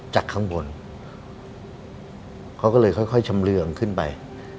อเจมส์เค้าก็เลยค่อยชำเลืองขึ้นไป